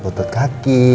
ini untuk kaki